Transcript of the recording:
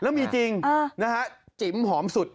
แล้วมีจริงนะฮะจิ๋มหอมสุด